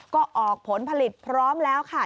ก็ออกผลผลิตพร้อมแล้วค่ะ